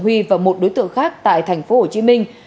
huy và một đối tượng khác tại thành phố hồ chí minh